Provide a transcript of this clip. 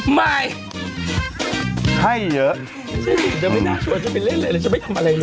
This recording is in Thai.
ให้เยอะ